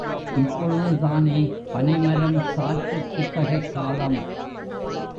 இப்பொழுதுதானே பனைமரம் சாற்றுக் குத்தகைக் காலம்?